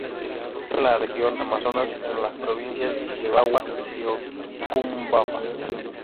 Se encuentra en la Región Amazonas, en las provincias de Bagua y Utcubamba.